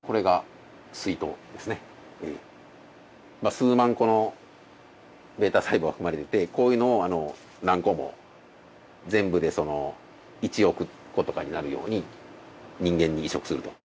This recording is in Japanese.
数万個のβ細胞が含まれていてこういうのを何個も全部で１億個とかになるように人間に移植すると。